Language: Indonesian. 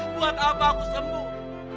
buat apa aku sembuh